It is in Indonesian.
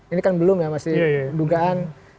ini kan belum ya masih dugaan